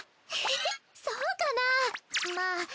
そうかなぁ。